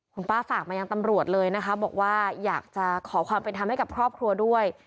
คุณป้าฝากมายังตำรวจเลยนะคะบอกว่าอยากจะขอความเป็นธรรมให้กับครอบครัวด้วย